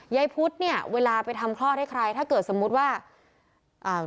พุทธเนี่ยเวลาไปทำคลอดให้ใครถ้าเกิดสมมุติว่าอ่า